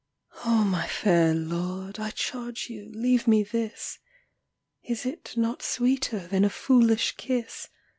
O my fair lord, I charge you leave me this: Is it not sweeter than a foolish kiss?